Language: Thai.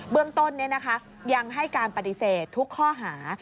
เรื่องต้นยังให้การปฏิเสธทุกข้อหา